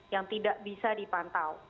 yang tidak bisa dipantau